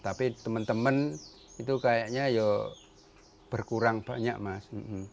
tapi teman teman itu kayaknya ya berkurang banyak mas